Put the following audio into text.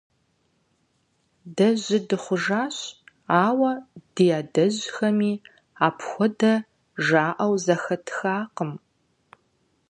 Дэ жьы дыхъужащ, ауэ ди адэжьхэми апхуэдэ жаӀэу зэхэтхакъым.